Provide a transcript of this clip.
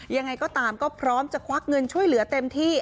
ยังไงก็ตามก็พร้อมจะควักเงินช่วยเหลือเต็มที่